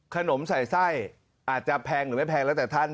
ใส่ไส้อาจจะแพงหรือไม่แพงแล้วแต่ท่าน